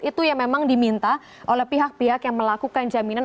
itu yang memang diminta oleh pihak pihak yang melakukan jaminan